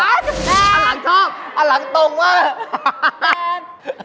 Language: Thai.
อะหลังชอบอะหลังตรงมาก